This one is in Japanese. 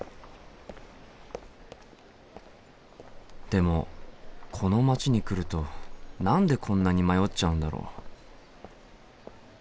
でもこの街に来ると何でこんなに迷っちゃうんだろう？